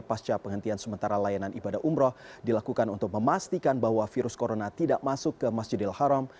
pasca penghentian sementara layanan ibadah umroh dilakukan untuk memastikan bahwa virus corona tidak masuk ke masjidil haram